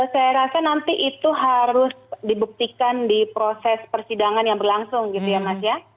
saya rasa nanti itu harus dibuktikan di proses persidangan yang berlangsung gitu ya mas ya